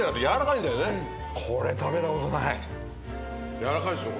軟らかいでしょ？